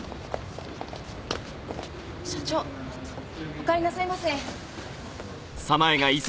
おかえりなさいませ。